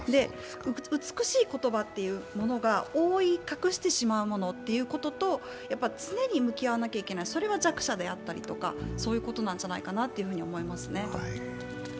美しい言葉というものが覆い隠してしまうものということと、常に向き合わなきゃいけない、それが弱者であったりそういうことなんじゃないかなと思いますね。